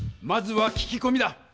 まずは聞きこみだ！